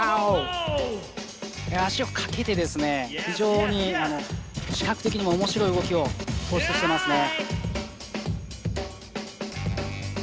足をかけてですね、非常に視覚的にも面白い動きを創出してますね。